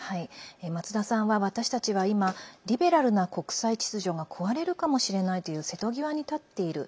松田さんは、私たちは今リベラルな国際秩序が壊れるかもしれないという瀬戸際に立っている。